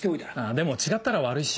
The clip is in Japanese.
でも違ったら悪いし。